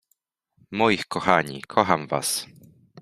Moich kochani, kocham was.